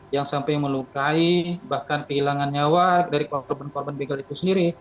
yang sampai melukai bahkan kehilangan nyawa dari korban korban begal itu sendiri